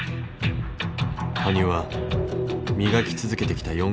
羽生は磨き続けてきた